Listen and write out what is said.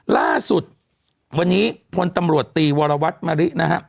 ล่าสุดวันนี้พลตำรวจตีวรวรรษมรินะฮะ